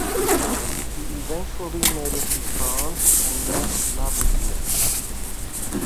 He eventually made it to France and met Lavoisier.